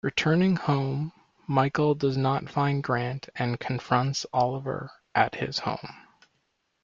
Returning home, Michael does not find Grant and confronts Oliver at his home.